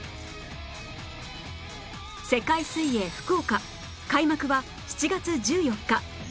世界水泳福岡開幕は７月１４日